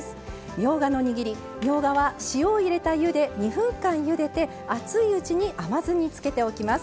みょうがのにぎり塩を入れた湯で２分間ゆでて熱いうちに甘酢に漬けておきます。